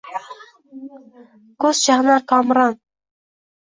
Ko’zi chaqnar komiron.